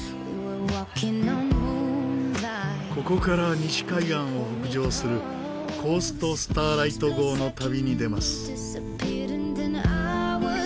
ここから西海岸を北上するコースト・スターライト号の旅に出ます。